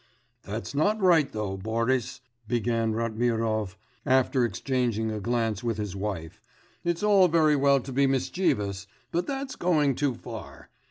'That's not right, though, Boris,' began Ratmirov, after exchanging a glance with his wife, 'it's all very well to be mischievous, but that's going too far.